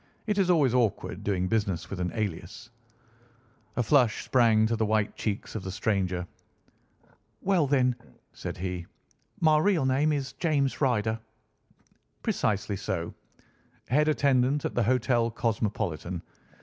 "It is always awkward doing business with an alias." A flush sprang to the white cheeks of the stranger. "Well then," said he, "my real name is James Ryder." "Precisely so. Head attendant at the Hotel Cosmopolitan.